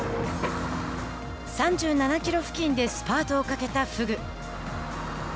３７キロ付近でスパートをかけたフグ。